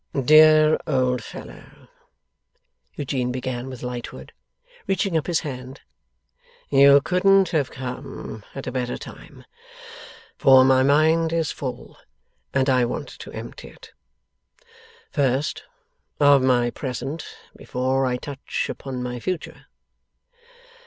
'Dear old fellow,' Eugene began with Lightwood, reaching up his hand, 'you couldn't have come at a better time, for my mind is full, and I want to empty it. First, of my present, before I touch upon my future.